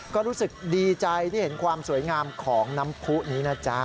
ก็รู้สึกดีใจที่เห็นความสวยงามของน้ำผู้นี้นะจ๊ะ